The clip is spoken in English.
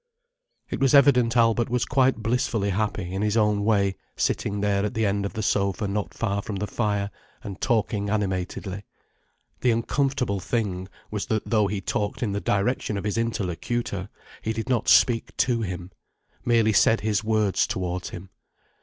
It was evident Albert was quite blissfully happy, in his own way, sitting there at the end of the sofa not far from the fire, and talking animatedly. The uncomfortable thing was that though he talked in the direction of his interlocutor, he did not speak to him: merely said his words towards him.